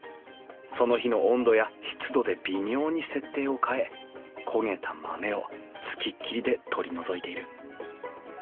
その日の温度や湿度で微妙に設定を変え焦げた豆を付きっきりで取り除いている。